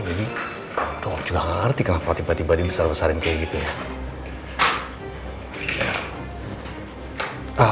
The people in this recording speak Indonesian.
jadi om juga gak ngerti kenapa tiba tiba dibesar besarin kayak gitu ya